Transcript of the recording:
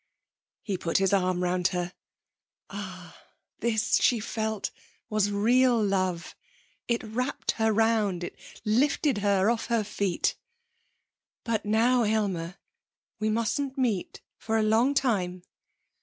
He put his arm round her. Ah! this, she felt, was real love it wrapped her round, it lifted her off her feet. 'But now, Aylmer, we mustn't meet, for a long time.'